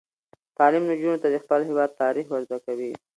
تعلیم نجونو ته د خپل هیواد تاریخ ور زده کوي.